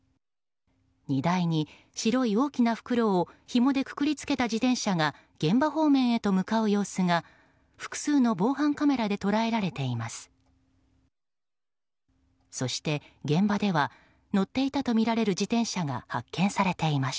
荷台に白い大きな袋をひもでくくりつけた自転車が現場方面へと向かう様子が複数の防犯カメラで捉えられています。